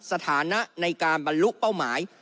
สถานะในการบรรลุเป้าหมาย